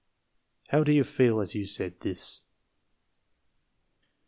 How did you feel as you said this?